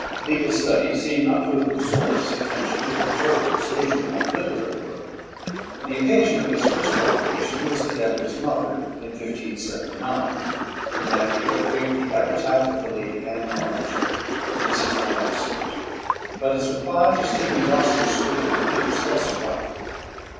Legal studies seem not to have absorbed his attention to the total exclusion of literary work. The occasion of his first publication was the death of his mother in 1579. In that year appeared the "Epitaph of the Lady Anne Lodge." This is not extant, but his reply to Stephen Gosson's "School of Abuse" has survived.